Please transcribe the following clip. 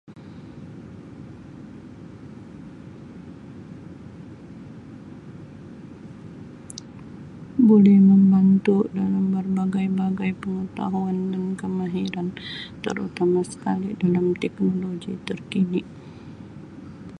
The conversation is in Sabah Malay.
Boleh membantu dalam berbagai-bagai pengetahuan dan kemahiran terutama sekali dalam teknologi terkini.